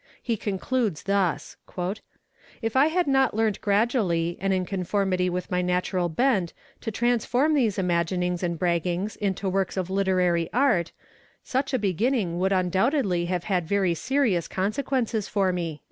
He concludes thus; "If I had not learnt gradually and in conformity with my natural bent to transform these imaginings and braggings into works of literary art, such a beginning would undoubtedly have had very serious consequences for me.